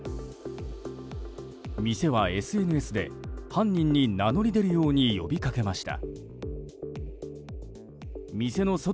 店はＳＮＳで犯人に名乗り出るように呼びかけました。